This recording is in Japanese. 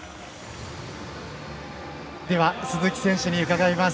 鈴木選手に伺います。